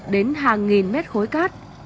đến hàng nghìn mét khối cát